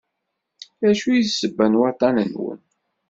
D acu i d ssebba n waṭṭan-nwen?